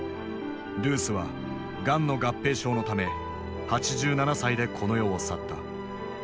ルースはがんの合併症のため８７歳でこの世を去った。